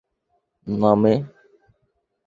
না, মে।